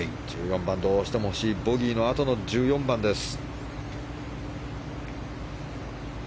どうしても欲しいボギーのあとの１４番です。